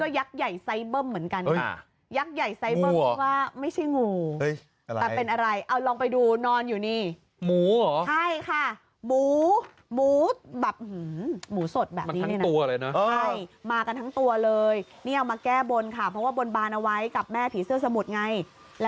โอ้โหป่านอกขอดูอีกทีนะมั้ยอ่ะมีไหม